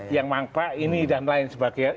yang mangkrak ini dan lain sebagainya